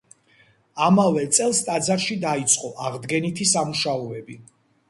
ამავე წელს ტაძარში დაიწყო აღდგენითი სამუშაოები.